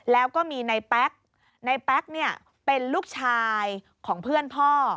แล้วก็มีนายแป๊กนายแป๊กเป็นลูกชายของเพื่อนพ่อ